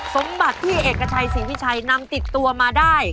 สมบัติที่เอกชัยศรีวิชัยนำติดตัวมาได้